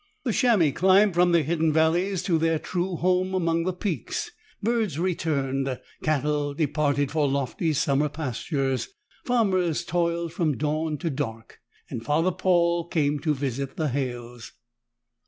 The chamois climbed from their hidden valleys to their true home among the peaks, birds returned, cattle departed for lofty summer pastures, farmers toiled from dawn to dark and Father Paul came to visit the Halles.